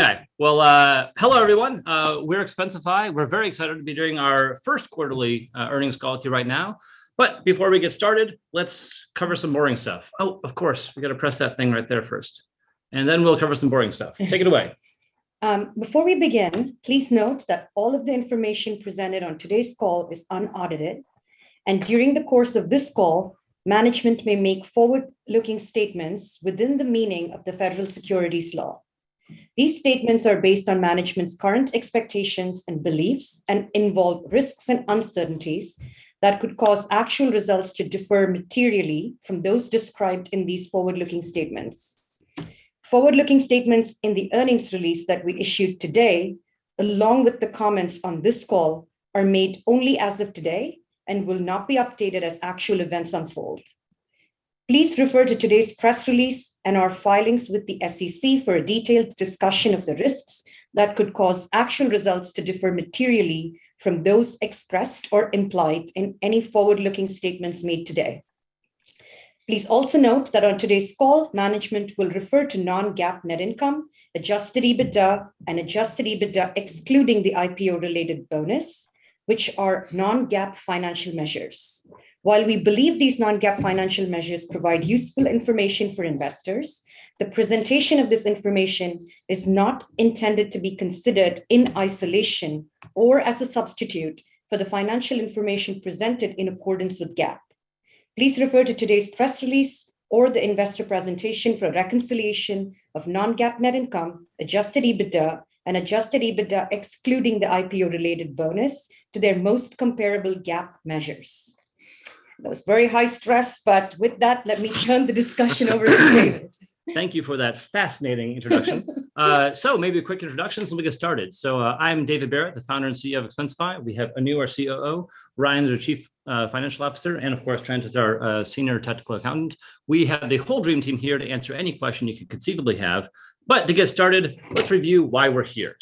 Oh, okay. Well, hello everyone. We're Expensify. We're very excited to be doing our first quarterly earnings call with you right now, but before we get started, let's cover some boring stuff. Oh, of course, we gotta press that thing right there first, and then we'll cover some boring stuff. Take it away. Before we begin, please note that all of the information presented on today's call is unaudited, and during the course of this call, management may make forward-looking statements within the meaning of the federal securities law. These statements are based on management's current expectations and beliefs, and involve risks and uncertainties that could cause actual results to differ materially from those described in these forward-looking statements. Forward-looking statements in the earnings release that we issued today, along with the comments on this call, are made only as of today and will not be updated as actual events unfold. Please refer to today's press release and our filings with the SEC for a detailed discussion of the risks that could cause actual results to differ materially from those expressed or implied in any forward-looking statements made today. Please also note that on today's call, management will refer to non-GAAP net income, adjusted EBITDA, and adjusted EBITDA excluding the IPO-related bonus, which are non-GAAP financial measures. While we believe these non-GAAP financial measures provide useful information for investors, the presentation of this information is not intended to be considered in isolation or as a substitute for the financial information presented in accordance with GAAP. Please refer to today's press release or the investor presentation for a reconciliation of non-GAAP net income, adjusted EBITDA, and adjusted EBITDA excluding the IPO-related bonus, to their most comparable GAAP measures. That was very high stress, but with that, let me turn the discussion over to David. Thank you for that fascinating introduction. Maybe quick introductions, and we'll get started. I'm David Barrett, the founder and CEO of Expensify. We have Anu, our COO; Ryan is our Chief Financial Officer; and of course Trent is our senior technical accountant. We have the whole dream team here to answer any question you could conceivably have, but to get started, let's review why we're here.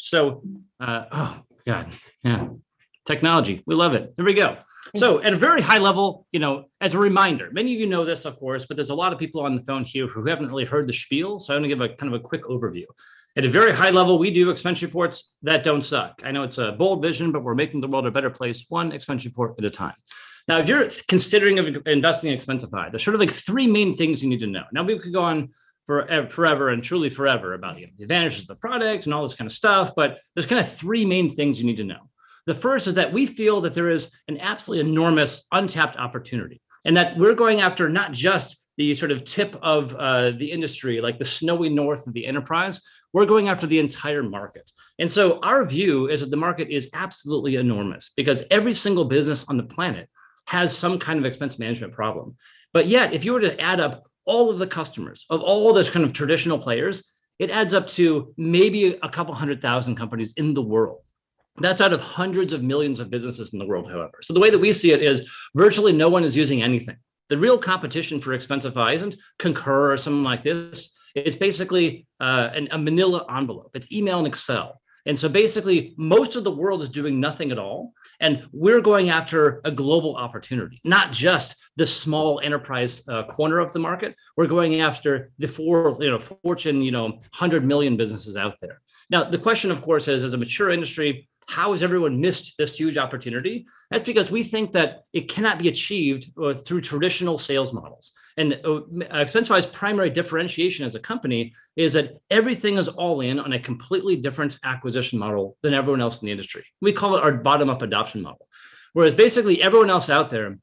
Technology, we love it. Here we go. At a very high level, you know, as a reminder, many of you know this of course, but there's a lot of people on the phone here who haven't really heard the spiel, so I'm gonna give a kind of quick overview. At a very high level, we do expense reports that don't suck. I know it's a bold vision, but we're making the world a better place one expense report at a time. Now, if you're considering of investing in Expensify, there's sort of like three main things you need to know. Now, we could go on forever, and truly forever about the advantages of the product and all this kind of stuff, but there's kinda three main things you need to know. The first is that we feel that there is an absolutely enormous untapped opportunity, and that we're going after not just the sort of tip of the industry, like the snowy north of the enterprise, we're going after the entire market. Our view is that the market is absolutely enormous, because every single business on the planet has some kind of expense management problem. Yet if you were to add up all of the customers of all those kind of traditional players, it adds up to maybe 200,000 companies in the world. That's out of hundreds of millions of businesses in the world, however. The way that we see it is virtually no one is using anything. The real competition for Expensify isn't Concur or something like this. It's basically a manila envelope. It's email and Excel. Basically most of the world is doing nothing at all, and we're going after a global opportunity, not just the small enterprise corner of the market. We're going after the you know, Fortune, you know, 100 million businesses out there. Now, the question of course is, as a mature industry, how has everyone missed this huge opportunity? That's because we think that it cannot be achieved through traditional sales models, and Expensify's primary differentiation as a company is that everything is all in on a completely different acquisition model than everyone else in the industry. We call it our bottom-up adoption model. Whereas basically everyone else out there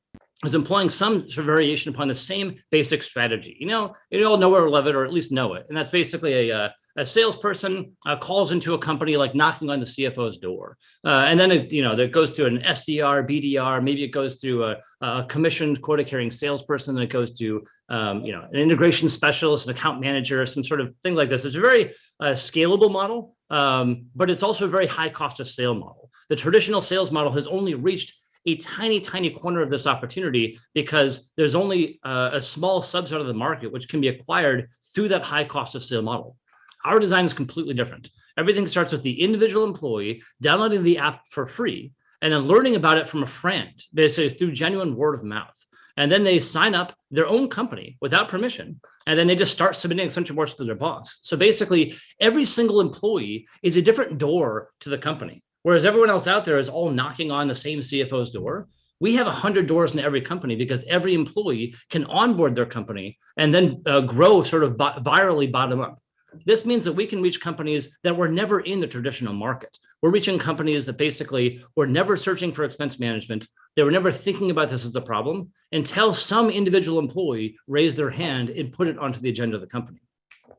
is employing some variation upon the same basic strategy, you know. You all know it or love it, or at least know it, and that's basically a salesperson calls into a company, like knocking on the CFO's door. Then it, you know, that goes to an SDR, BDR, maybe it goes through a commissioned quota-carrying salesperson, then it goes to, you know, an integration specialist, an account manager, some sort of thing like this. It's a very scalable model, but it's also a very high cost of sale model. The traditional sales model has only reached a tiny corner of this opportunity because there's only a small subset of the market which can be acquired through that high cost of sale model. Our design is completely different. Everything starts with the individual employee downloading the app for free and then learning about it from a friend, basically through genuine word of mouth. They sign up their own company without permission, and then they just start submitting expense reports to their boss. Basically, every single employee is a different door to the company. Whereas everyone else out there is all knocking on the same CFO's door, we have 100 doors into every company because every employee can onboard their company and then grow sort of virally bottom up. This means that we can reach companies that were never in the traditional market. We're reaching companies that basically were never searching for expense management. They were never thinking about this as a problem until some individual employee raised their hand and put it onto the agenda of the company.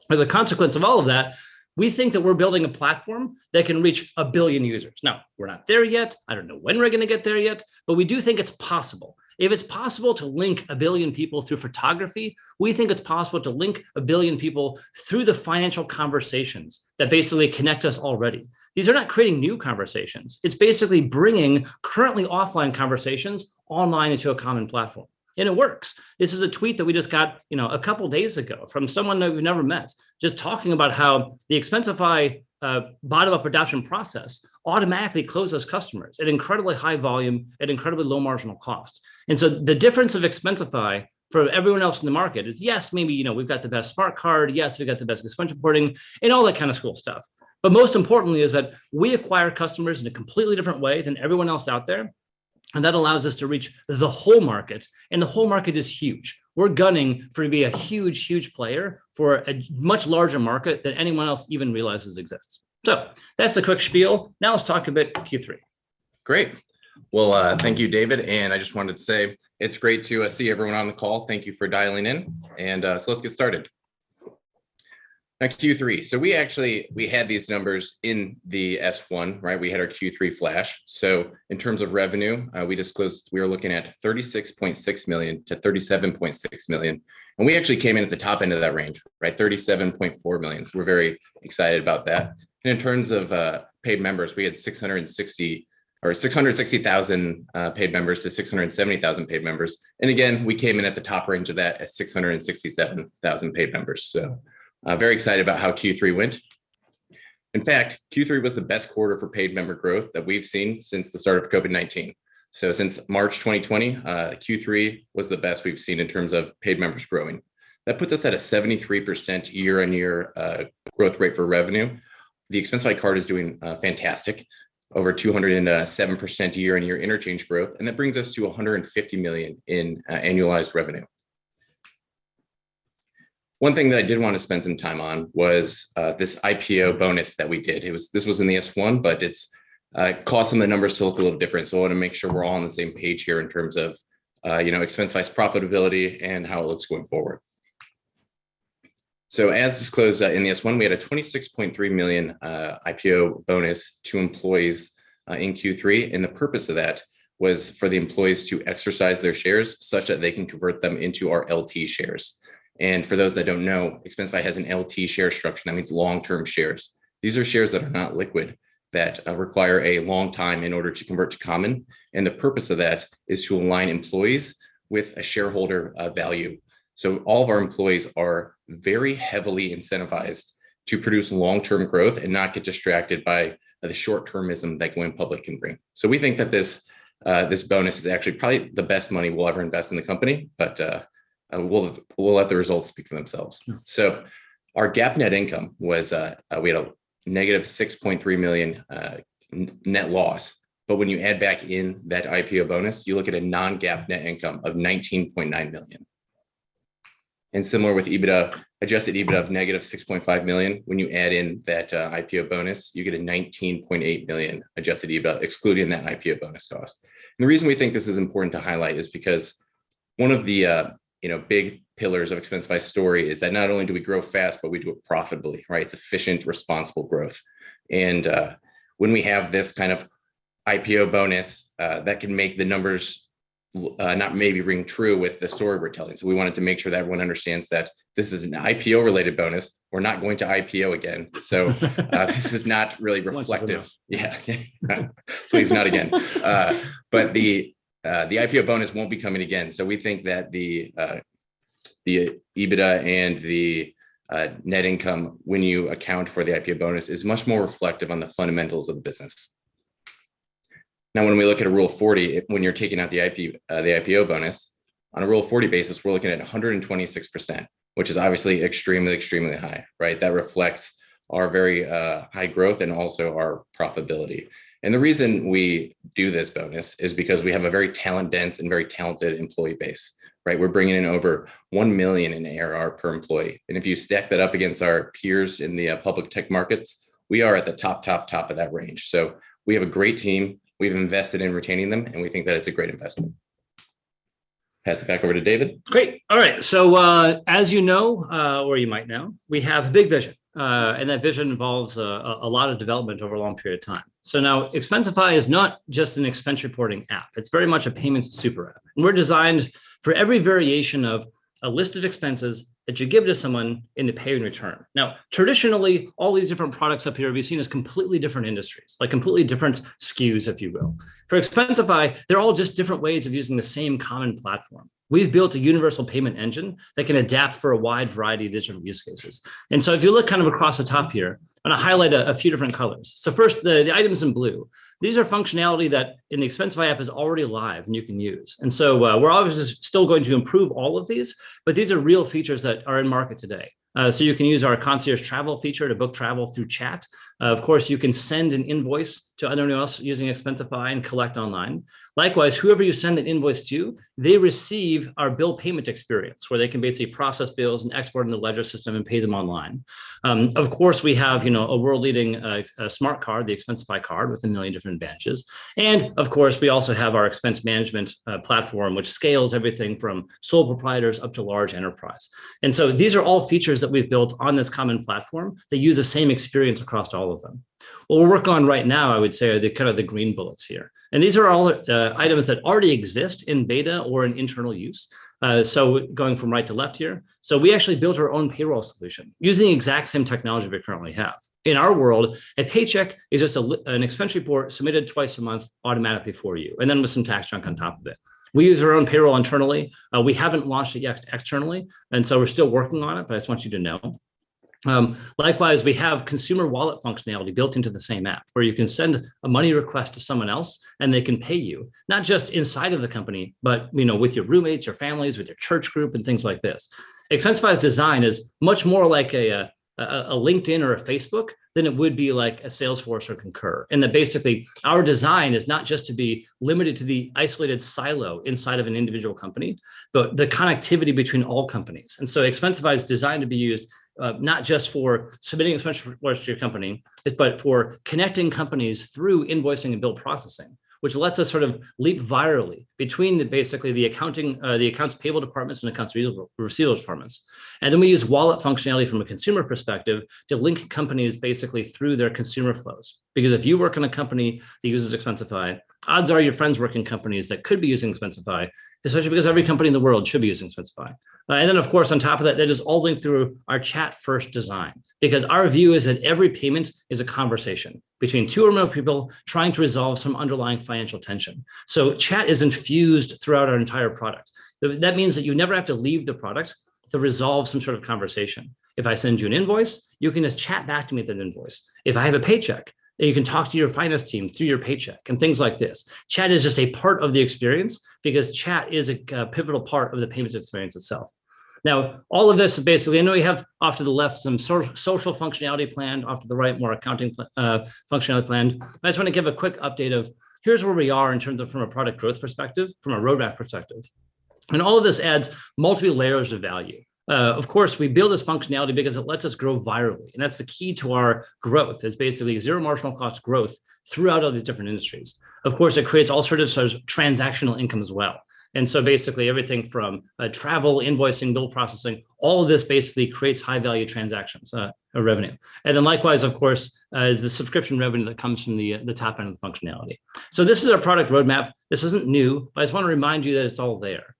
As a consequence of all of that, we think that we're building a platform that can reach a billion users. Now, we're not there yet. I don't know when we're gonna get there yet. We do think it's possible. If it's possible to link a billion people through photography, we think it's possible to link a billion people through the financial conversations that basically connect us already. These are not creating new conversations. It's basically bringing currently offline conversations online into a common platform, and it works. This is a tweet that we just got, you know, a couple days ago from someone that we've never met just talking about how the Expensify bottom-up adoption process automatically closes customers at incredibly high volume at incredibly low marginal cost. The difference of Expensify from everyone else in the market is, yes, maybe, you know, we've got the best smart card. Yes, we've got the best expense reporting, and all that kind of cool stuff. Most importantly is that we acquire customers in a completely different way than everyone else out there, and that allows us to reach the whole market, and the whole market is huge. We're gunning for to be a huge, huge player for a much larger market than anyone else even realizes exists. That's the quick spiel. Now let's talk a bit Q3. Great. Well, thank you, David. I just wanted to say it's great to see everyone on the call. Thank you for dialing in. Let's get started. Back to Q3. We actually had these numbers in the S1, right? We had our Q3 flash. In terms of revenue, we disclosed we were looking at $36.6 million-$37.6 million, and we actually came in at the top end of that range, right, $37.4 million. We're very excited about that. In terms of paid members, we had 660,000-670,000 paid members. Again, we came in at the top range of that at 667,000 paid members. Very excited about how Q3 went. In fact, Q3 was the best quarter for paid member growth that we've seen since the start of COVID-19. Since March 2020, Q3 was the best we've seen in terms of paid members growing. That puts us at a 73% year-on-year growth rate for revenue. The Expensify Card is doing fantastic, over 207% year-on-year interchange growth. That brings us to $150 million in annualized revenue. One thing that I did want to spend some time on was this IPO bonus that we did. This was in the S1, but it's causing the numbers to look a little different. I want to make sure we're all on the same page here in terms of you know, Expensify size, profitability, and how it looks going forward. As disclosed in the S1, we had a $26.3 million IPO bonus to employees in Q3, and the purpose of that was for the employees to exercise their shares such that they can convert them into our LT shares. For those that don't know, Expensify has an LT share structure. That means long-term shares. These are shares that are not liquid, that require a long time in order to convert to common. The purpose of that is to align employees with a shareholder value. All of our employees are very heavily incentivized to produce long-term growth and not get distracted by the short-termism that going public can bring. We think that this bonus is actually probably the best money we'll ever invest in the company. We'll let the results speak for themselves. Sure. Our GAAP net income was a -$6.3 million net loss. When you add back in that IPO bonus, you look at a non-GAAP net income of $19.9 million. Similar with EBITDA, adjusted EBITDA of -$6.5 million. When you add in that IPO bonus, you get a $19.8 million adjusted EBITDA excluding that IPO bonus cost. The reason we think this is important to highlight is because one of the, you know, big pillars of Expensify's story is that not only do we grow fast, but we do it profitably, right? It's efficient, responsible growth. When we have this kind of IPO bonus, that can make the numbers not maybe ring true with the story we're telling. We wanted to make sure that everyone understands that this is an IPO-related bonus. We're not going to IPO again. This is not really reflective. Once is enough. Yeah. Please, not again. The IPO bonus won't be coming again. We think that the EBITDA and the net income, when you account for the IPO bonus, is much more reflective on the fundamentals of the business. Now, when we look at a Rule of 40, when you're taking out the IPO bonus on a Rule of 40 basis, we're looking at 126%, which is obviously extremely high, right? That reflects our very high growth and also our profitability. The reason we do this bonus is because we have a very talent dense and very talented employee base, right? We're bringing in over $1 million in ARR per employee, and if you stack that up against our peers in the public tech markets, we are at the top of that range. We have a great team. We've invested in retaining them, and we think that it's a great investment. Pass it back over to David. Great. All right. As you know, or you might know, we have big vision. That vision involves a lot of development over a long period of time. Now Expensify is not just an expense reporting app, it's very much a payments super app. We're designed for every variation of a list of expenses that you give to someone to pay in return. Traditionally, all these different products up here will be seen as completely different industries, like completely different SKUs, if you will. For Expensify, they're all just different ways of using the same common platform. We've built a universal payment engine that can adapt for a wide variety of digital use cases. If you look kind of across the top here, I'm gonna highlight a few different colors. First, the items in blue. These are functionality that in the Expensify app is already live and you can use. We're obviously still going to improve all of these, but these are real features that are in market today. You can use our Concierge Travel feature to book travel through chat. Of course, you can send an invoice to anyone else using Expensify and collect online. Likewise, whoever you send that invoice to, they receive our bill payment experience, where they can basically process bills and export in the ledger system and pay them online. Of course, we have, you know, a world-leading, a smart card, the Expensify Card, with a million different badges. Of course, we also have our expense management platform, which scales everything from sole proprietors up to large enterprise. These are all features that we've built on this common platform that use the same experience across all of them. What we'll work on right now, I would say, are the kind of green bullets here. These are all items that already exist in beta or in internal use. Going from right to left here. We actually built our own payroll solution using the exact same technology we currently have. In our world, a paycheck is just an expense report submitted twice a month automatically for you, and then with some tax junk on top of it. We use our own payroll internally. We haven't launched it yet externally, and so we're still working on it, but I just want you to know. Likewise, we have consumer wallet functionality built into the same app where you can send a money request to someone else and they can pay you, not just inside of the company, but, you know, with your roommates, your families, with your church group, and things like this. Expensify's design is much more like a LinkedIn or a Facebook than it would be like a Salesforce or Concur, in that basically our design is not just to be limited to the isolated silo inside of an individual company, but the connectivity between all companies. Expensify is designed to be used, not just for submitting expense requests to your company, but for connecting companies through invoicing and bill processing, which lets us sort of leap virally between the, basically the accounting, the accounts payable departments and accounts receivable departments. We use wallet functionality from a consumer perspective to link companies basically through their consumer flows. Because if you work in a company that uses Expensify, odds are your friends work in companies that could be using Expensify, especially because every company in the world should be using Expensify. Of course, on top of that is all linked through our chat first design. Because our view is that every payment is a conversation between two or more people trying to resolve some underlying financial tension. Chat is infused throughout our entire product. That means that you never have to leave the product to resolve some sort of conversation. If I send you an invoice, you can just chat back to me with an invoice. If I have a paycheck, you can talk to your finance team through your paycheck, and things like this. Chat is just a part of the experience because chat is a pivotal part of the payments experience itself. Now, all of this basically. I know we have off to the left some social functionality planned, off to the right, more accounting functionality planned. I just wanna give a quick update of here's where we are in terms of from a product growth perspective, from a roadmap perspective. All of this adds multiple layers of value. Of course, we build this functionality because it lets us grow virally, and that's the key to our growth, is basically zero marginal cost growth throughout all these different industries. Of course, it creates all sorts of sort of transactional income as well. Basically everything from travel, invoicing, bill processing, all of this basically creates high value transactions or revenue. Likewise, of course, is the subscription revenue that comes from the top-end functionality. This is our product roadmap. This isn't new, but I just wanna remind you that it's all there.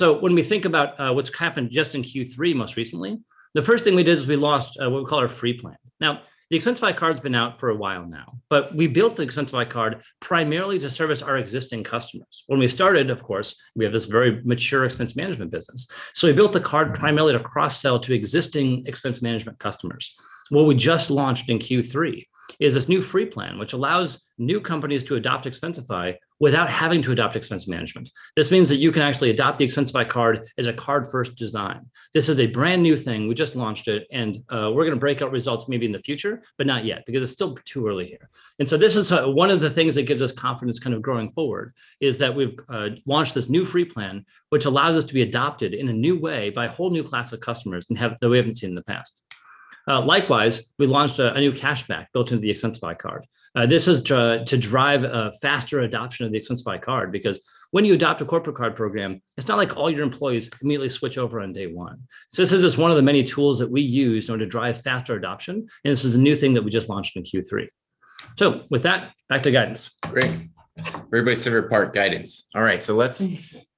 When we think about what's happened just in Q3 most recently, the first thing we did is we launched what we call our free plan. Now, the Expensify Card's been out for a while now, but we built the Expensify Card primarily to service our existing customers. When we started, of course, we had this very mature expense management business, so we built the card primarily to cross-sell to existing expense management customers. What we just launched in Q3 is this new free plan, which allows new companies to adopt Expensify without having to adopt expense management. This means that you can actually adopt the Expensify Card as a card-first design. This is a brand-new thing. We just launched it, and we're gonna break out results maybe in the future, but not yet, because it's still too early here. This is one of the things that gives us confidence kind of going forward, is that we've launched this new free plan, which allows us to be adopted in a new way by a whole new class of customers and that we haven't seen in the past. Likewise, we launched a new cashback built into the Expensify Card. This is to drive faster adoption of the Expensify Card because when you adopt a corporate card program, it's not like all your employees immediately switch over on day one. This is just one of the many tools that we use in order to drive faster adoption, and this is a new thing that we just launched in Q3. With that, back to guidance. Great. Everybody's favorite part, guidance. All right. Let's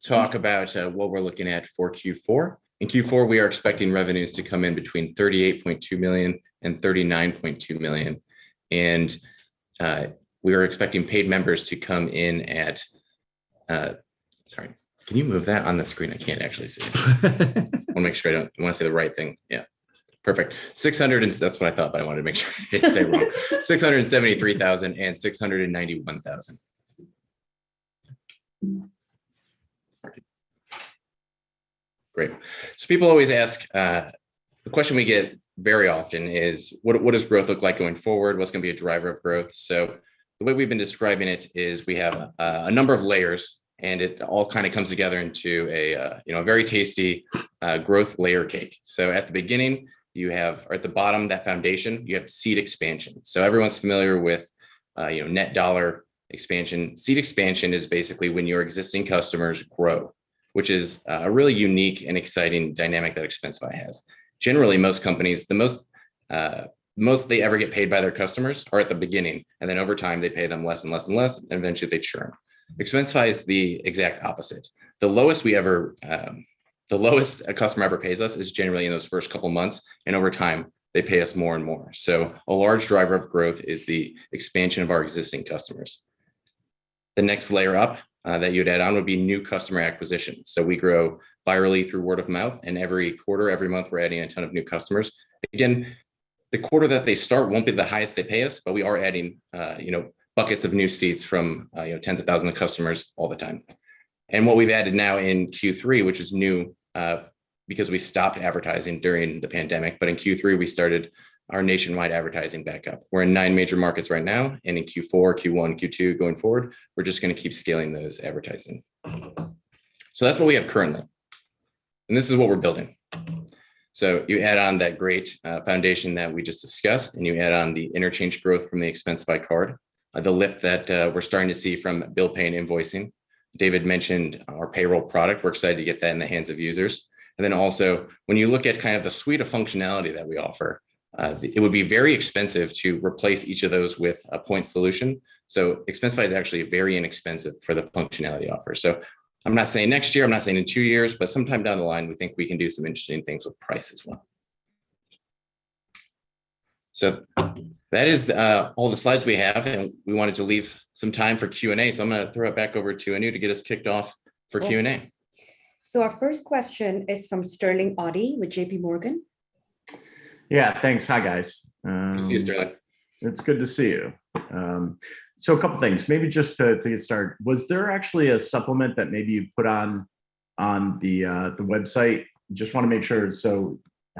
talk about what we're looking at for Q4. In Q4, we are expecting revenues to come in between $38.2 million and $39.2 million. We are expecting paid members to come in at. Sorry, can you move that on the screen? I can't actually see. I wanna say the right thing. Yeah. Perfect. 673,000-691,000. Great. People always ask the question we get very often is, "What does growth look like going forward? What's gonna be a driver of growth?" The way we've been describing it is we have a number of layers, and it all kinda comes together into a you know, a very tasty growth layer cake. At the beginning, you have, or at the bottom, that foundation, you have seat expansion. Everyone's familiar with you know, net dollar retention. Seat expansion is basically when your existing customers grow, which is a really unique and exciting dynamic that Expensify has. Generally, most companies, the most they ever get paid by their customers are at the beginning, and then over time, they pay them less and less and less, and eventually they churn. Expensify is the exact opposite. The lowest a customer ever pays us is generally in those first couple months, and over time, they pay us more and more. A large driver of growth is the expansion of our existing customers. The next layer up, that you'd add on would be new customer acquisition. We grow virally through word of mouth, and every quarter, every month, we're adding a ton of new customers. Again, the quarter that they start won't be the highest they pay us, but we are adding, you know, buckets of new seats from, you know, tens of thousands of customers all the time. What we've added now in Q3, which is new, because we stopped advertising during the pandemic, but in Q3, we started our nationwide advertising back up. We're in nine major markets right now, and in Q4, Q1, Q2, going forward, we're just gonna keep scaling those advertising. That's what we have currently, and this is what we're building. You add on that great foundation that we just discussed, and you add on the interchange growth from the Expensify Card, the lift that we're starting to see from bill pay and invoicing. David mentioned our payroll product. We're excited to get that in the hands of users. Then also, when you look at kind of the suite of functionality that we offer, it would be very expensive to replace each of those with a point solution, so Expensify is actually very inexpensive for the functionality it offers. I'm not saying next year, I'm not saying in 2 years, but sometime down the line, we think we can do some interesting things with price as well. That is all the slides we have, and we wanted to leave some time for Q&A, so I'm gonna throw it back over to Anu to get us kicked off for Q&A. Our first question is from Sterling Auty with JPMorgan. Yeah. Thanks. Hi, guys. See you, Sterling. It's good to see you. A couple things. Maybe just to get started, was there actually a supplement that maybe you put on the website? Just wanna make sure,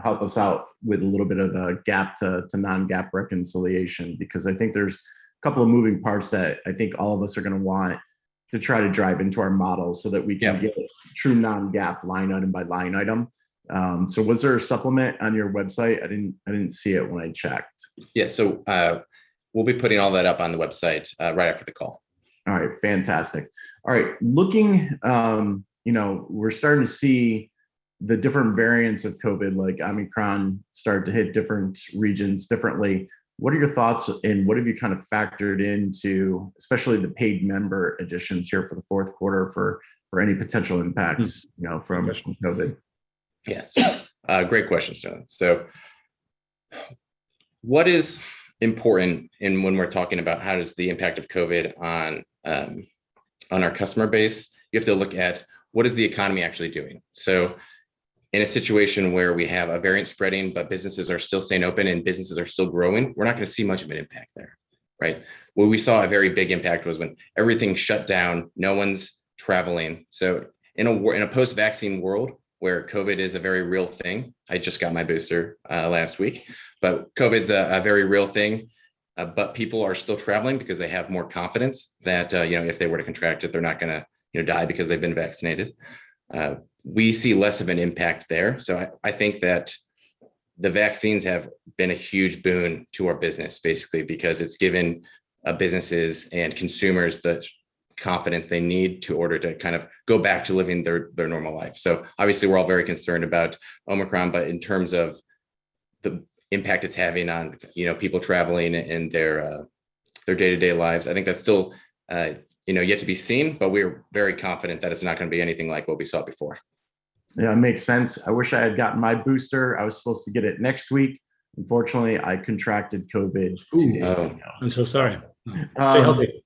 help us out with a little bit of the GAAP to non-GAAP reconciliation, because I think there's a couple of moving parts that I think all of us are gonna want to try to drive into our models so that we can get a true non-GAAP line item by line item. Was there a supplement on your website? I didn't see it when I checked. Yeah. We'll be putting all that up on the website right after the call. All right. Fantastic. All right. You know, we're starting to see the different variants of COVID, like Omicron, start to hit different regions differently. What are your thoughts and what have you kind of factored into, especially the paid member additions here for the fourth quarter for any potential impacts, you know, from COVID? Yes. Great question, Sterling. What is important and when we're talking about how does the impact of COVID on our customer base, you have to look at what is the economy actually doing. In a situation where we have a variant spreading, but businesses are still staying open and businesses are still growing, we're not gonna see much of an impact there, right? Where we saw a very big impact was when everything's shut down, no one's traveling. In a post-vaccine world, where COVID is a very real thing, I just got my booster last week, but COVID's a very real thing, but people are still traveling because they have more confidence that, you know, if they were to contract it, they're not gonna, you know, die because they've been vaccinated, we see less of an impact there. I think that the vaccines have been a huge boon to our business, basically, because it's given businesses and consumers the confidence they need in order to kind of go back to living their normal life. Obviously, we're all very concerned about Omicron, but in terms of the impact it's having on, you know, people traveling and their day-to-day lives, I think that's still, you know, yet to be seen, but we're very confident that it's not gonna be anything like what we saw before. Yeah. It makes sense. I wish I had gotten my booster. I was supposed to get it next week. Unfortunately, I contracted COVID, 2 days ago. Ooh. Oh. I'm so sorry. Um. Stay healthy.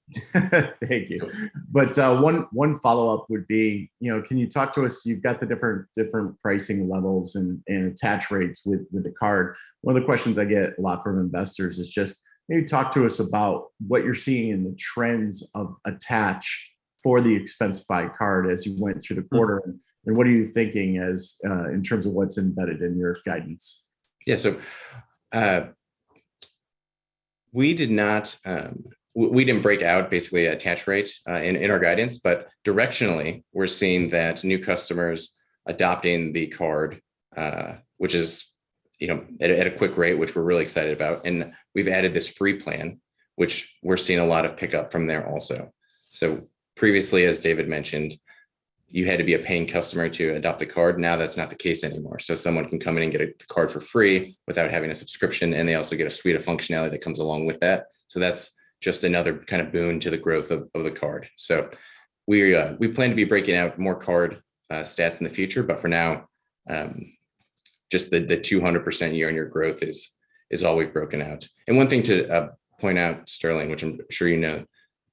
Thank you. One follow-up would be, you know, can you talk to us. You've got the different pricing levels and attach rates with the card. One of the questions I get a lot from investors is just maybe talk to us about what you're seeing in the trends of attach for the Expensify Card as you went through the quarter. What are you thinking as in terms of what's embedded in your guidance? Yeah. We did not. we didn't break out, basically, attach rate in our guidance. Directionally, we're seeing that new customers adopting the card, which is, you know, at a quick rate, which we're really excited about. We've added this free plan, which we're seeing a lot of pickup from there also. Previously, as David mentioned, you had to be a paying customer to adopt the card. Now, that's not the case anymore, so someone can come in and get the card for free without having a subscription, and they also get a suite of functionality that comes along with that. That's just another kind of boon to the growth of the card. We plan to be breaking out more card stats in the future, but for now, just the 200% year-over-year growth is all we've broken out. One thing to point out, Sterling, which I'm sure you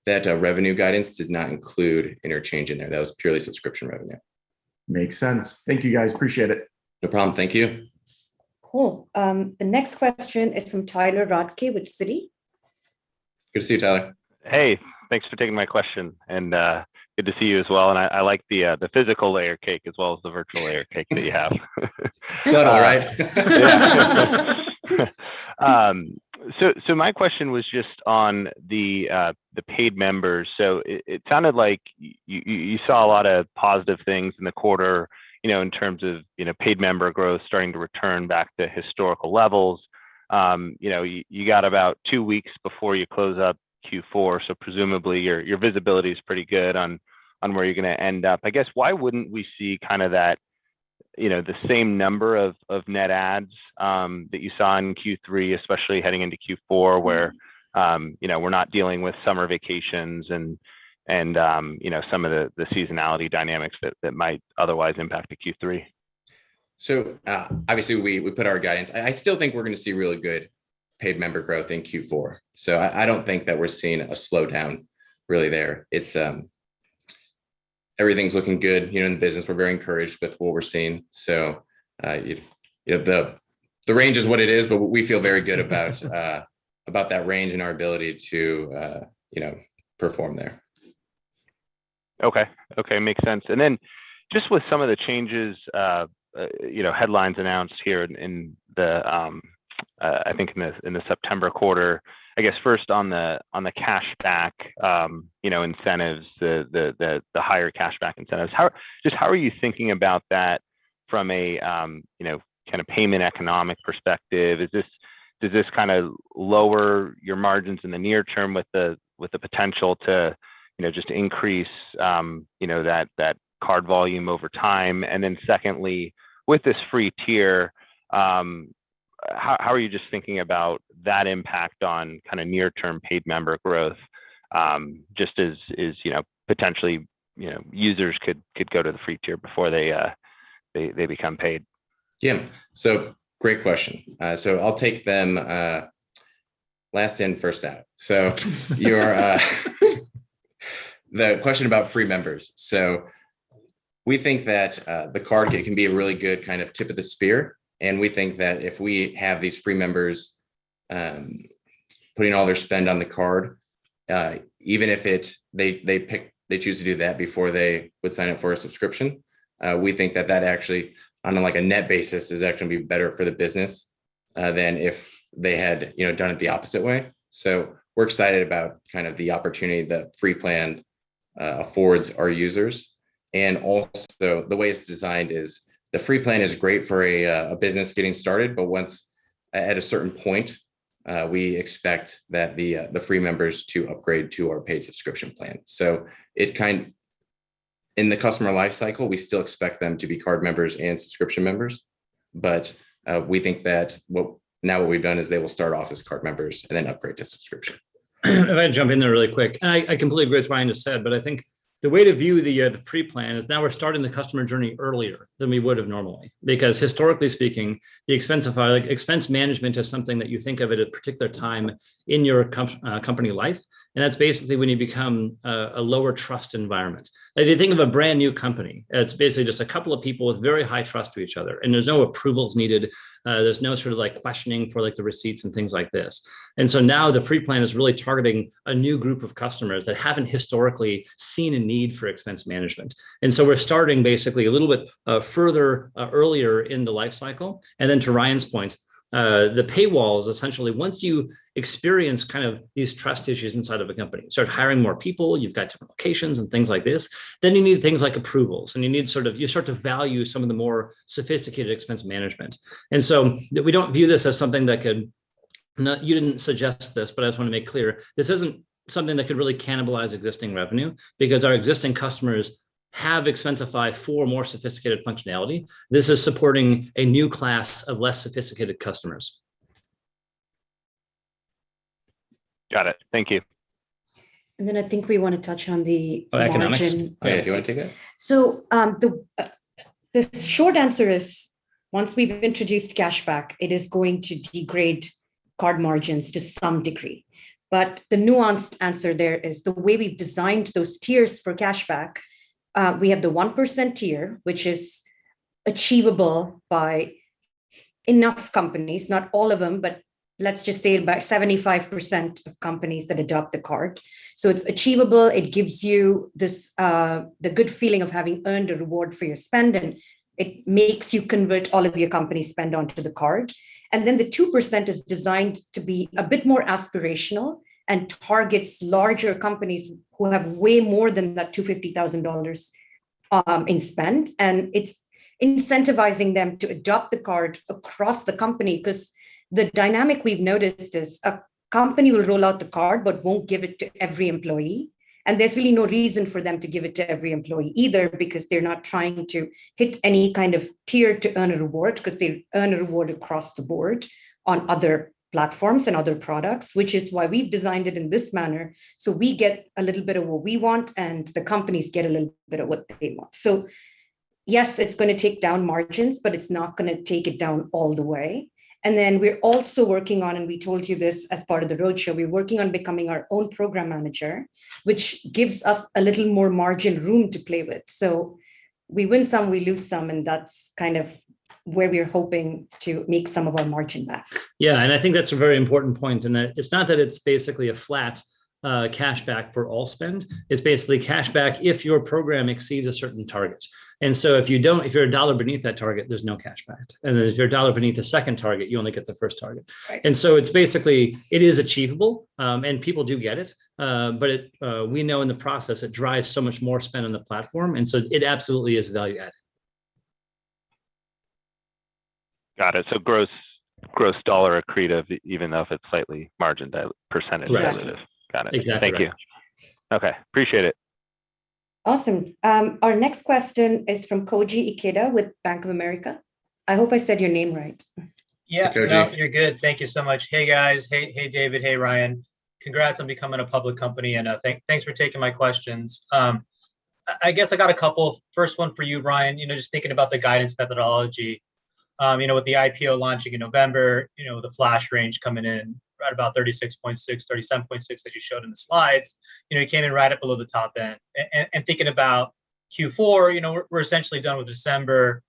know, that revenue guidance did not include interchange in there. That was purely subscription revenue. Makes sense. Thank you, guys. Appreciate it. No problem. Thank you. Cool. The next question is from Tyler Radke with Citi. Good to see you, Tyler. Hey, thanks for taking my question, and good to see you as well, and I like the physical layer cake as well as the virtual layer cake that you have. Subtle, right? Yeah. My question was just on the paid members. It sounded like you saw a lot of positive things in the quarter, you know, in terms of, you know, paid member growth starting to return back to historical levels. You know, you got about 2 weeks before you close up Q4, so presumably your visibility is pretty good on where you're gonna end up. I guess, why wouldn't we see kind of that, you know, the same number of net adds that you saw in Q3, especially heading into Q4, where, you know, we're not dealing with summer vacations and you know, some of the seasonality dynamics that might otherwise impact the Q3? Obviously we put our guidance. I still think we're gonna see really good paid member growth in Q4, so I don't think that we're seeing a slowdown really there. Everything's looking good, you know, in the business. We're very encouraged with what we're seeing. You know, the range is what it is, but we feel very good about that range and our ability to you know, perform there. Okay. Okay. Makes sense. Just with some of the changes, you know, headlines announced here in, I think in the September quarter, I guess first on the cashback, you know, incentives, the higher cashback incentives, just how are you thinking about that from a, you know, kind of payment economic perspective? Does this kinda lower your margins in the near term with the potential to, you know, just increase, you know, that card volume over time? Secondly, with this free tier, how are you just thinking about that impact on kinda near term paid member growth? Just as, you know, potentially, you know, users could go to the free tier before they become paid. Great question. I'll take them last in, first out. Your question about free members. We think that the card can be a really good kind of tip of the spear, and we think that if we have these free members putting all their spend on the card, even if they choose to do that before they would sign up for a subscription, we think that that actually, on a, like, a net basis, is actually gonna be better for the business than if they had, you know, done it the opposite way. We're excited about kind of the opportunity the free plan affords our users. The way it's designed is the free plan is great for a business getting started, but once at a certain point, we expect that the free members to upgrade to our paid subscription plan. In the customer life cycle, we still expect them to be card members and subscription members, but we think that what we've done is they will start off as card members and then upgrade to subscription. If I can jump in there really quick. I completely agree with what Ryan just said, but I think the way to view the free plan is now we're starting the customer journey earlier than we would've normally, because historically speaking, the Expensify, like expense management is something that you think of at a particular time in your company life, and that's basically when you become a lower trust environment. If you think of a brand-new company, and it's basically just a couple of people with very high trust for each other, and there's no approvals needed, there's no sort of like questioning for like the receipts and things like this. Now the free plan is really targeting a new group of customers that haven't historically seen a need for expense management. We're starting basically a little bit further earlier in the life cycle. To Ryan's point, the paywall is essentially once you experience kind of these trust issues inside of a company, start hiring more people, you've got different locations and things like this, then you need things like approvals, and you need sort of. You start to value some of the more sophisticated expense management. We don't view this as something that could. Not, you didn't suggest this, but I just wanna make clear, this isn't something that could really cannibalize existing revenue, because our existing customers have Expensify for more sophisticated functionality. This is supporting a new class of less sophisticated customers. Got it. Thank you. I think we wanna touch on the. Oh, economics? Margin. Yeah. Do you wanna take it? The short answer is once we've introduced cashback, it is going to degrade card margins to some degree. The nuanced answer there is the way we've designed those tiers for cashback, we have the 1% tier, which is achievable by enough companies, not all of them, but let's just say about 75% of companies that adopt the card. It's achievable, it gives you this, the good feeling of having earned a reward for your spend, and it makes you convert all of your company spend onto the card. Then the 2% is designed to be a bit more aspirational and targets larger companies who have way more than that $250,000 in spend. It's incentivizing them to adopt the card across the company, 'cause the dynamic we've noticed is a company will roll out the card but won't give it to every employee, and there's really no reason for them to give it to every employee either because they're not trying to hit any kind of tier to earn a reward, 'cause they earn a reward across the board on other platforms and other products, which is why we've designed it in this manner so we get a little bit of what we want and the companies get a little bit of what they want. Yes, it's gonna take down margins, but it's not gonna take it down all the way. We're also working on, and we told you this as part of the roadshow, we're working on becoming our own program manager, which gives us a little more margin room to play with. We win some, we lose some, and that's kind of where we're hoping to make some of our margin back. Yeah, I think that's a very important point, in that it's not that it's basically a flat cashback for all spend. It's basically cashback if your program exceeds a certain target. If you don't, if you're a dollar beneath that target, there's no cashback. If you're a dollar beneath the second target, you only get the first target. Right. It's basically, it is achievable, and people do get it. It, we know, in the process it drives so much more spend on the platform, and so it absolutely is value add. Got it. Gross dollar accretive, even if it's slightly percentage dilutive. Yes. Exactly. Got it. Thank you. Okay. Appreciate it. Awesome. Our next question is from Koji Ikeda with Bank of America. I hope I said your name right. Koji. Yeah. No, you're good. Thank you so much. Hey, guys. Hey, David. Hey, Ryan. Congrats on becoming a public company, and thanks for taking my questions. I guess I got a couple. First one for you, Ryan. You know, just thinking about the guidance methodology, you know, with the IPO launching in November, you know, the flash range coming in right about $36.6-$37.6 that you showed in the slides. You know, you came in right up below the top end. Thinking about Q4, you know, we're essentially done with December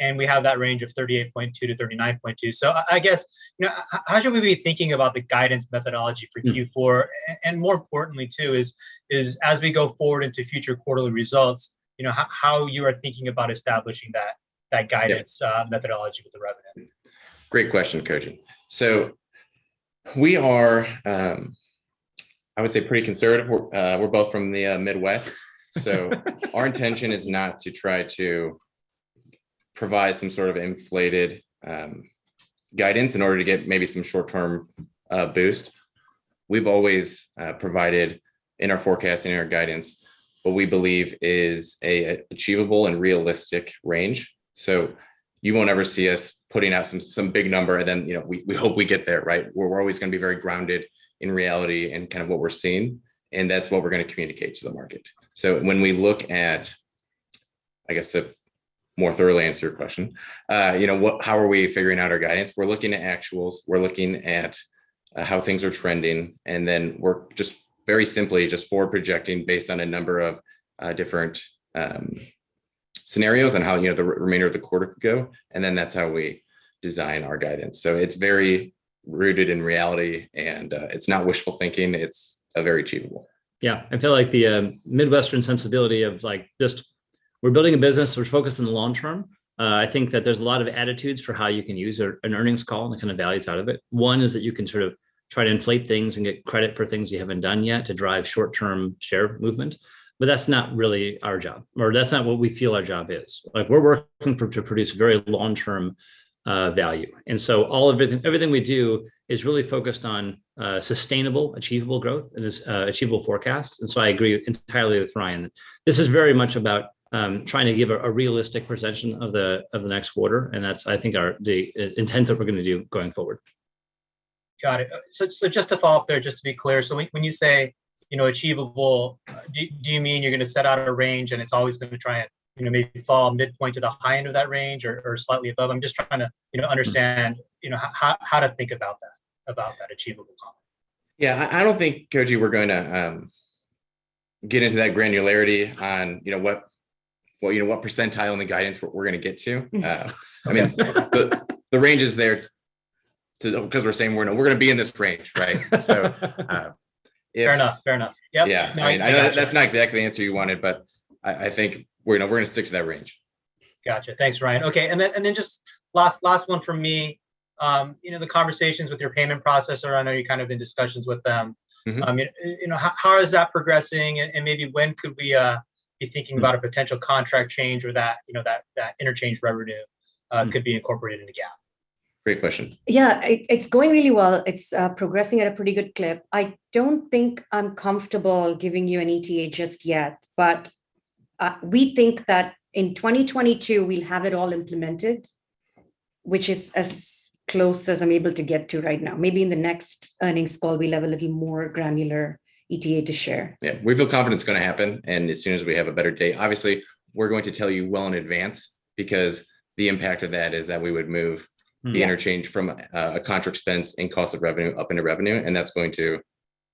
and we have that range of $38.2-$39.2. I guess, you know, how should we be thinking about the guidance methodology for Q4? Mm-hmm. More importantly, too, is as we go forward into future quarterly results, you know, how you are thinking about establishing that guidance methodology with the revenue? Great question, Koji. We are, I would say, pretty conservative. We're both from the Midwest. Our intention is not to try to provide some sort of inflated guidance in order to get maybe some short-term boost. We've always provided in our forecast and in our guidance, what we believe is an achievable and realistic range. You won't ever see us putting out some big number, and then, you know, we hope we get there, right? We're always gonna be very grounded in reality and kind of what we're seeing, and that's what we're gonna communicate to the market. When we look at, I guess, to more thoroughly answer your question, you know, how are we figuring out our guidance? We're looking at actuals, we're looking at how things are trending, and then we're just very simply just forward projecting based on a number of different scenarios on how, you know, the remainder of the quarter could go, and then that's how we design our guidance. It's very rooted in reality and it's not wishful thinking. It's very achievable. Yeah. I feel like the Midwestern sensibility of, like, just we're building a business, we're focused on the long term. I think that there's a lot of attitudes for how you can use an earnings call, the kind of values out of it. One is that you can sort of try to inflate things and get credit for things you haven't done yet to drive short-term share movement, but that's not really our job, or that's not what we feel our job is. Like, we're working to produce very long-term value. Everything we do is really focused on sustainable, achievable growth and is achievable forecasts. I agree entirely with Ryan. This is very much about trying to give a realistic presentation of the next quarter, and that's, I think, our intent that we're gonna do going forward. Got it. Just to follow up there, just to be clear, so when you say, you know, achievable, do you mean you're gonna set out a range and it's always gonna try and, you know, maybe fall midpoint to the high end of that range or slightly above? I'm just trying to, you know, understand, you know, how to think about that, about that achievable goal. Yeah. I don't think, Koji, we're gonna get into that granularity on, you know, what, well, you know, what percentile on the guidance we're gonna get to. I mean, the range is there to, 'cause we're saying we're gonna be in this range, right? If. Fair enough. Yep. Yeah. No, I gotcha. I know that's not exactly the answer you wanted, but I think we're gonna stick to that range. Gotcha. Thanks, Ryan. Okay. Just last one from me. You know, the conversations with your payment processor, I know you've kind of been in discussions with them. Mm-hmm. I mean, you know, how is that progressing? Maybe when could we be thinking about a potential contract change or that, you know, that interchange revenue could be incorporated into GAAP? Great question. Yeah. It's going really well. It's progressing at a pretty good clip. I don't think I'm comfortable giving you an ETA just yet, but we think that in 2022 we'll have it all implemented, which is as close as I'm able to get to right now. Maybe in the next earnings call we'll have a little more granular ETA to share. Yeah. We feel confident it's gonna happen, and as soon as we have a better date, obviously we're going to tell you well in advance, because the impact of that is that we would move interchange from a contract expense and cost of revenue up into revenue, and that's going to,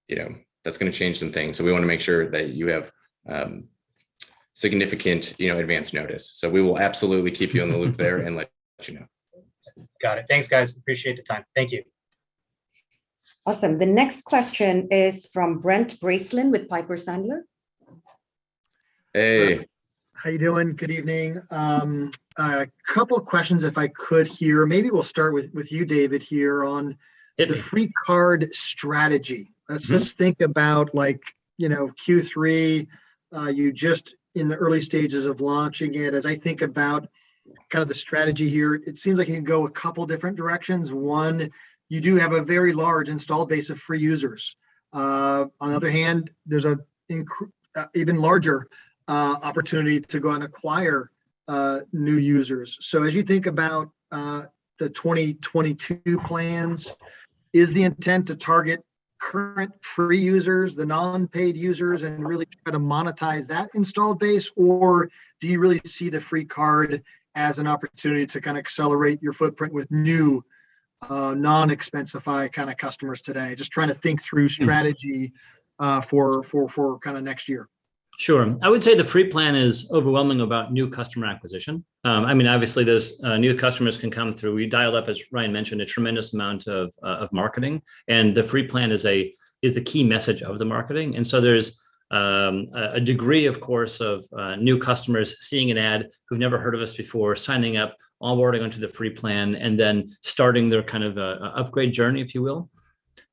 you know, that's gonna change some things. We wanna make sure that you have significant, you know, advance notice. We will absolutely keep you in the loop there and let you know. Got it. Thanks, guys. Appreciate the time. Thank you. Awesome. The next question is from Brent Bracelin with Piper Sandler. Hey. How you doing? Good evening. A couple questions if I could here. Maybe we'll start with you, David, here on the free card strategy. Mm. Let's just think about, like, you know, Q3. You're just in the early stages of launching it. As I think about kind of the strategy here, it seems like it can go a couple different directions. One, you do have a very large installed base of free users. On the other hand, there's an even larger opportunity to go and acquire new users. So as you think about the 2022 plans, is the intent to target current free users, the non-paid users, and really try to monetize that installed base? Or do you really see the free card as an opportunity to kind of accelerate your footprint with new non-Expensify kind of customers today? Just trying to think through strategy for kind of next year. Sure. I would say the free plan is overwhelmingly about new customer acquisition. I mean, obviously there's new customers can come through. We dial up, as Ryan mentioned, a tremendous amount of marketing, and the free plan is the key message of the marketing. There's a degree, of course, of new customers seeing an ad who've never heard of us before, signing up, onboarding onto the free plan, and then starting their kind of upgrade journey, if you will.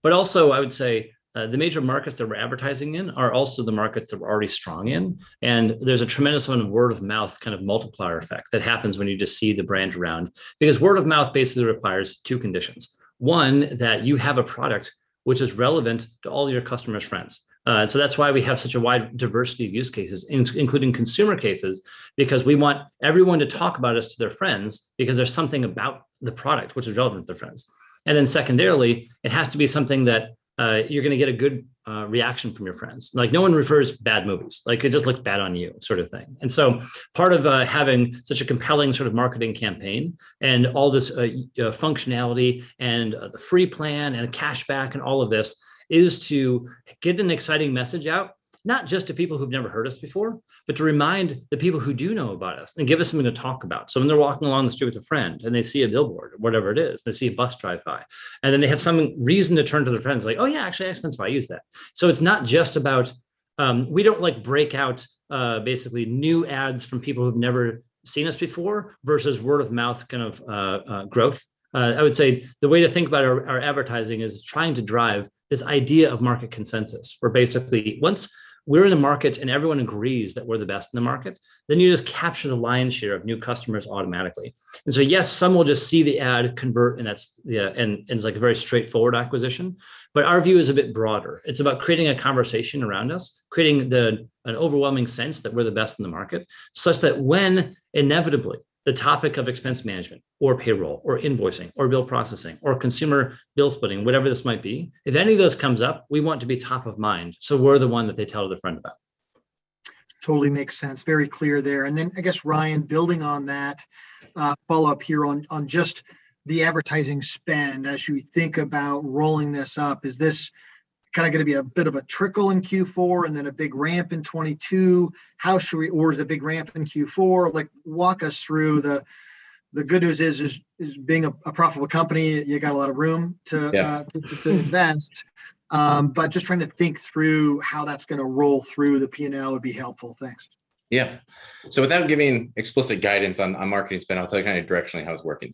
Also, I would say the major markets that we're advertising in are also the markets that we're already strong in, and there's a tremendous amount of word of mouth kind of multiplier effect that happens when you just see the brand around. Because word of mouth basically requires two conditions. One, that you have a product which is relevant to all your customers' friends. That's why we have such a wide diversity of use cases including consumer cases, because we want everyone to talk about us to their friends because there's something about the product which is relevant to their friends. Then secondarily, it has to be something that you're gonna get a good reaction from your friends. Like, no one refers bad movies. Like, it just looks bad on you sort of thing. Part of having such a compelling sort of marketing campaign and all this functionality and the free plan and cash back and all of this is to get an exciting message out, not just to people who've never heard us before, but to remind the people who do know about us, and give us something to talk about. When they're walking along the street with a friend and they see a billboard or whatever it is, they see a bus drive by, and then they have some reason to turn to their friends like, "Oh yeah, actually, I Expensify. I use that." It's not just about. We don't, like, break out basically new ads from people who've never seen us before versus word of mouth kind of growth. I would say the way to think about our advertising is it's trying to drive this idea of market consensus, where basically once we're in the market and everyone agrees that we're the best in the market, then you just capture the lion's share of new customers automatically. Yes, some will just see the ad, convert, and that's, you know, and it's like a very straightforward acquisition, but our view is a bit broader. It's about creating a conversation around us, creating an overwhelming sense that we're the best in the market, such that when inevitably the topic of expense management or payroll or invoicing or bill processing or consumer bill splitting, whatever this might be, if any of those comes up, we want to be top of mind so we're the one that they tell their friend about. Totally makes sense. Very clear there. Then I guess, Ryan, building on that, a follow-up here on just the advertising spend as you think about rolling this up. Is this kinda gonna be a bit of a trickle in Q4 and then a big ramp in 2022? Or is the big ramp in Q4? Like, walk us through the good news is being a profitable company, you got a lot of room to invest, but just trying to think through how that's gonna roll through the P&L would be helpful. Thanks. Without giving explicit guidance on marketing spend, I'll tell you kinda directionally how it's working.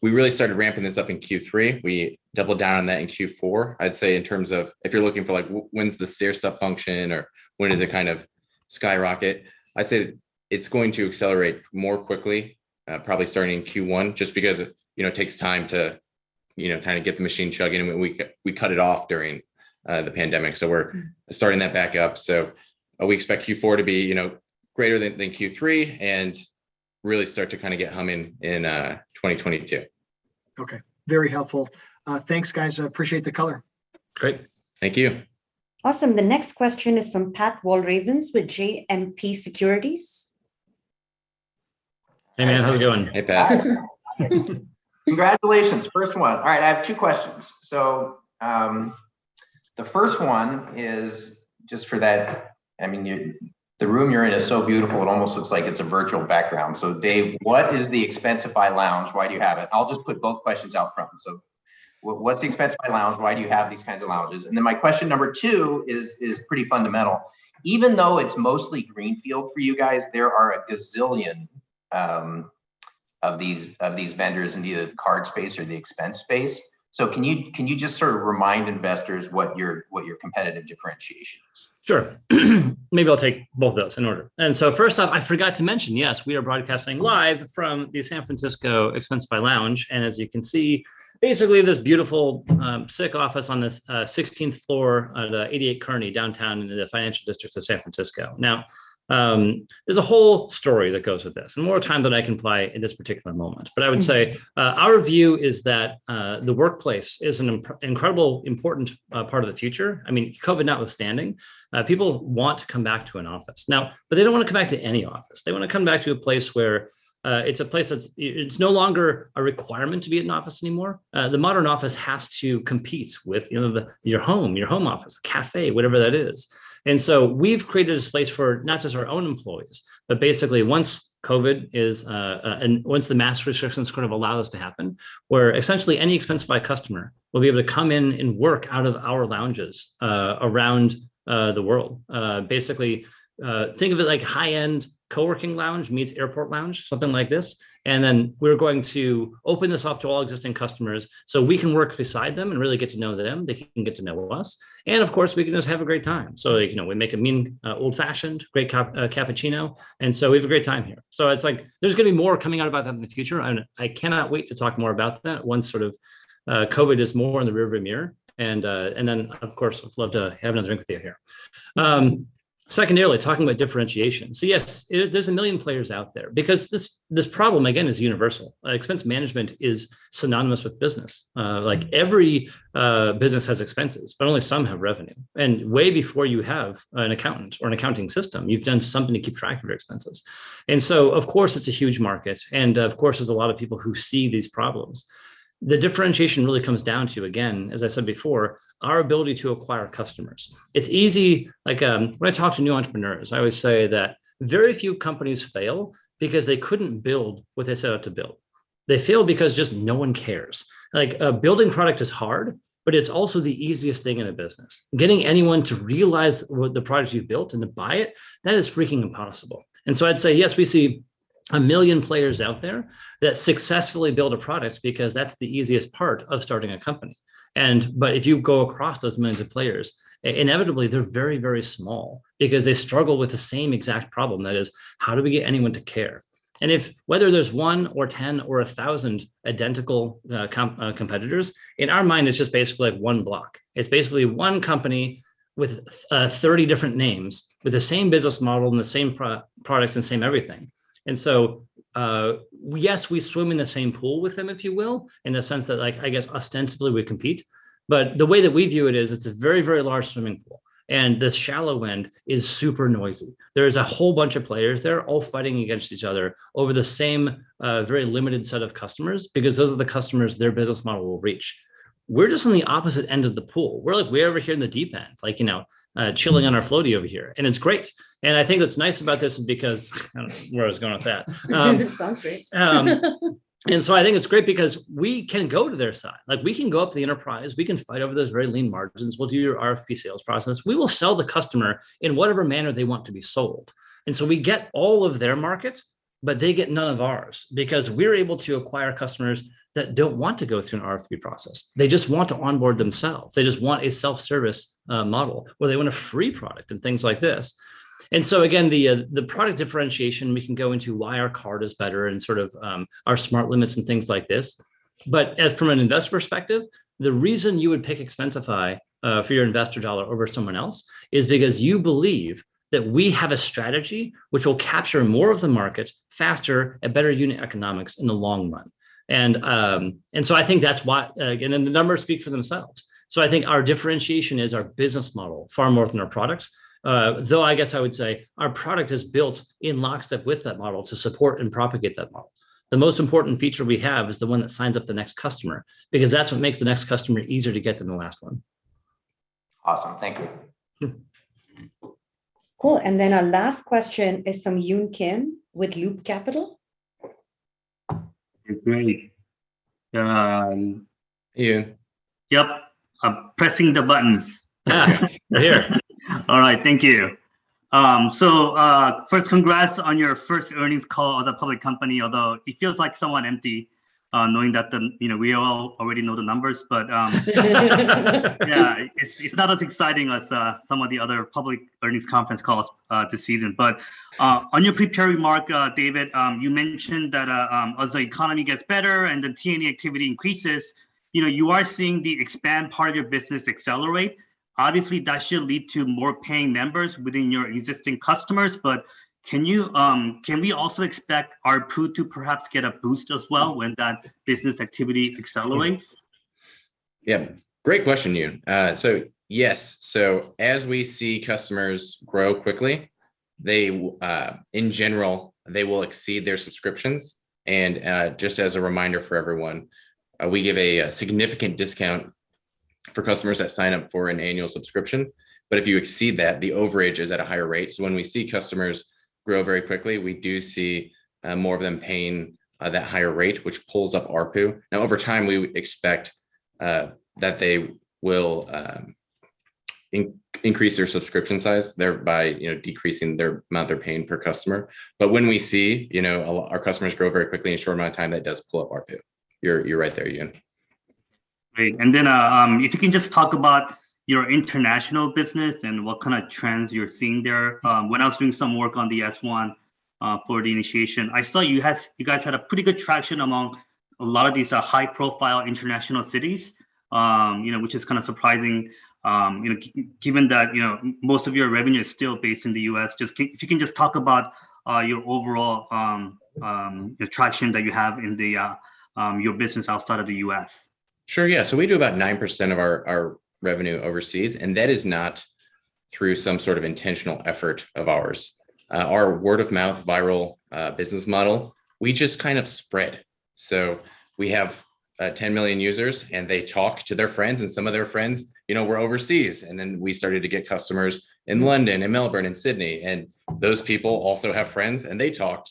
We really started ramping this up in Q3. We doubled down on that in Q4. I'd say in terms of if you're looking for, like, when's the stair step function or when does it kind of skyrocket, I'd say it's going to accelerate more quickly, probably starting in Q1, just because it, you know, takes time to, you know, kinda get the machine chugging, and we cut it off during the pandemic, so we're starting that back up. We expect Q4 to be, you know, greater than Q3, and really start to kinda get humming in 2022. Okay. Very helpful. Thanks, guys. I appreciate the color. Great. Thank you. Awesome. The next question is from Pat Walravens with JMP Securities. Hey, man. How's it going? Hey, Pat. Congratulations. First one. All right, I have two questions. The first one is the room you're in is so beautiful it almost looks like it's a virtual background. David, what is the Expensify Lounge? Why do you have it? I'll just put both questions out front. What's the Expensify Lounge? Why do you have these kinds of lounges? My question number two is pretty fundamental. Even though it's mostly greenfield for you guys, there are a gazillion of these vendors in either the card space or the expense space. Can you just sort of remind investors what your competitive differentiation is? Sure. Maybe I'll take both of those in order. First off, I forgot to mention, yes, we are broadcasting live from the San Francisco Expensify Lounge, and as you can see, basically this beautiful, chic office on this 16th floor of the 88 Kearny downtown in the financial district of San Francisco. Now, there's a whole story that goes with this, and more time than I can allot in this particular moment. I would say our view is that the workplace is an incredibly important part of the future. I mean, COVID notwithstanding, people want to come back to an office. They don't want to come back to any office. They want to come back to a place where it's no longer a requirement to be in an office anymore. The modern office has to compete with, you know, the your home office, cafe, whatever that is. We've created a space for not just our own employees, but basically once COVID is, and once the mask restrictions kind of allow this to happen, where essentially any Expensify customer will be able to come in and work out of our lounges around the world. Basically, think of it like high-end co-working lounge meets airport lounge, something like this. We're going to open this up to all existing customers so we can work beside them and really get to know them, they can get to know us, and of course, we can just have a great time. You know, we make a mean old-fashioned, great cappuccino, and so we have a great time here. It's like there's gonna be more coming out about that in the future. I cannot wait to talk more about that once COVID is more in the rear view mirror. Of course, I would love to have another drink with you here. Secondarily, talking about differentiation. Yes, it is. There's one million players out there because this problem, again, is universal. Expense management is synonymous with business. Like every business has expenses, but only some have revenue. Way before you have an accountant or an accounting system, you've done something to keep track of your expenses. Of course, it's a huge market, and of course, there's a lot of people who see these problems. The differentiation really comes down to, again, as I said before, our ability to acquire customers. It's easy, like, when I talk to new entrepreneurs, I always say that very few companies fail because they couldn't build what they set out to build. They fail because just no one cares. Like, building a product is hard, but it's also the easiest thing in a business. Getting anyone to realize the product you've built and to buy it, that is freaking impossible. I'd say, yes, we see a million players out there that successfully build a product because that's the easiest part of starting a company, but if you go across those millions of players, inevitably, they're very, very small because they struggle with the same exact problem, that is, how do we get anyone to care? If, whether there's one or 10 or 1,000 identical competitors, in our mind, it's just basically like one block. It's basically one company with 30 different names with the same business model and the same product and same everything. Yes, we swim in the same pool with them, if you will, in the sense that like, I guess ostensibly we compete, but the way that we view it is it's a very, very large swimming pool, and this shallow end is super noisy. There is a whole bunch of players that are all fighting against each other over the same, very limited set of customers because those are the customers their business model will reach. We're just on the opposite end of the pool. We're like, we're over here in the deep end, like, you know, chilling on our floaty over here, and it's great. I think what's nice about this is because. I don't know where I was going with that. It sounds great. I think it's great because we can go to their side. Like, we can go up the enterprise. We can fight over those very lean margins. We'll do your RFP sales process. We will sell the customer in whatever manner they want to be sold. We get all of their markets, but they get none of ours because we're able to acquire customers that don't want to go through an RFP process. They just want to onboard themselves. They just want a self-service, model, or they want a free product and things like this. Again, the product differentiation we can go into why our card is better and sort of our Smart Limits and things like this. But from an investor perspective, the reason you would pick Expensify for your investor dollar over someone else is because you believe that we have a strategy which will capture more of the market faster and better unit economics in the long run. I think that's why, again, and the numbers speak for themselves. I think our differentiation is our business model far more than our products. Though I guess I would say our product is built in lockstep with that model to support and propagate that model. The most important feature we have is the one that signs up the next customer because that's what makes the next customer easier to get than the last one. Awesome. Thank you. Sure. Cool, our last question is from Yun Kim with Loop Capital. Great. Yun? Yep. I'm pressing the button. We're here. All right, thank you. First, congrats on your first earnings call as a public company, although it feels like somewhat empty, knowing that, you know, we all already know the numbers. Yeah, it's not as exciting as some of the other public earnings conference calls this season. On your prepared remark, David, you mentioned that as the economy gets better and the T&E activity increases, you know, you are seeing the expand part of your business accelerate. Obviously, that should lead to more paying members within your existing customers. Can we also expect ARPU to perhaps get a boost as well when that business activity accelerates? Yeah. Great question, Yun. Yes. As we see customers grow quickly, in general, they will exceed their subscriptions. Just as a reminder for everyone, we give a significant discount for customers that sign up for an annual subscription, but if you exceed that, the overage is at a higher rate. When we see customers grow very quickly, we do see more of them paying that higher rate, which pulls up ARPU. Now over time, we expect that they will increase their subscription size, thereby, you know, decreasing their amount they're paying per customer. When we see, you know, a lot of our customers grow very quickly in a short amount of time, that does pull up ARPU. You're right there, Yun. Great. If you can just talk about your international business and what kind of trends you're seeing there. When I was doing some work on the S1 for the initiation, I saw you guys had a pretty good traction among a lot of these high-profile international cities, you know, which is kind of surprising, you know, given that, you know, most of your revenue is still based in the U.S. Just if you can just talk about your overall the traction that you have in the your business outside of the U.S. Sure, yeah. We do about 9% of our revenue overseas, and that is not through some sort of intentional effort of ours. Our word of mouth viral business model, we just kind of spread. We have 10 million users and they talk to their friends, and some of their friends, you know, were overseas, and then we started to get customers in London and Melbourne and Sydney, and those people also have friends and they talked.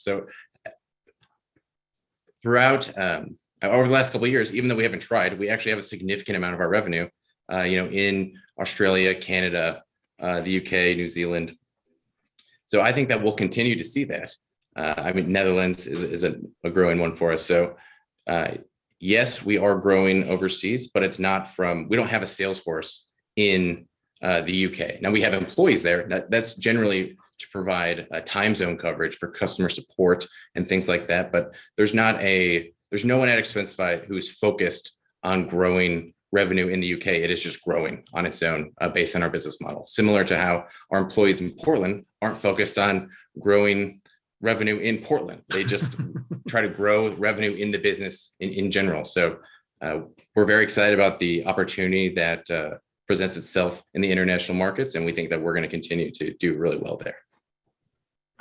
Throughout, or over the last couple years, even though we haven't tried, we actually have a significant amount of our revenue, you know, in Australia, Canada, the U.K., New Zealand. I think that we'll continue to see this. I mean, Netherlands is a growing one for us. Yes, we are growing overseas, but it's not from We don't have a sales force in the U.K. Now we have employees there. That's generally to provide time zone coverage for customer support and things like that, but there's no one at Expensify who's focused on growing revenue in the U.K. It is just growing on its own based on our business model. Similar to how our employees in Portland aren't focused on growing revenue in Portland. They just try to grow revenue in the business in general. We're very excited about the opportunity that presents itself in the international markets, and we think that we're gonna continue to do really well there.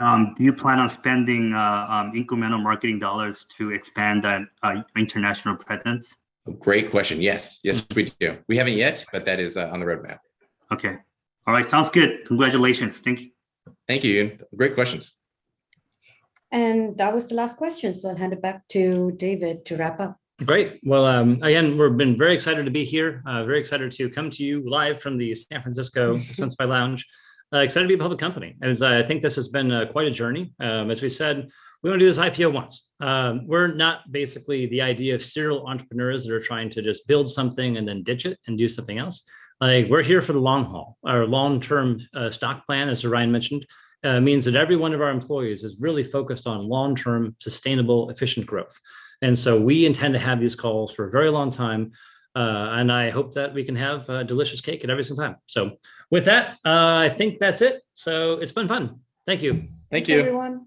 Do you plan on spending incremental marketing dollars to expand international presence? Great question. Yes. Yes, we do. We haven't yet, but that is on the roadmap. Okay. All right. Sounds good. Congratulations. Thank you. Thank you, Yun. Great questions. That was the last question, so I'll hand it back to David to wrap up. Great. Well, again, we've been very excited to be here, very excited to come to you live from the San Francisco Expensify Lounge. Excited to be a public company. As I think this has been quite a journey. As we said, we only do this IPO once. We're not basically the idea of serial entrepreneurs that are trying to just build something and then ditch it and do something else. We're here for the long haul. Our long-term stock plan, as Ryan mentioned, means that every one of our employees is really focused on long-term, sustainable, efficient growth. We intend to have these calls for a very long time, and I hope that we can have delicious cake at every single time. With that, I think that's it. It's been fun. Thank you. Thank you. Thanks, everyone.